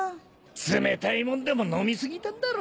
冷たいもんでも飲み過ぎたんだろ。